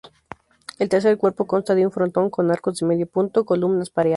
El tercer cuerpo consta de un frontón con arcos de medio punto, columnas pareadas.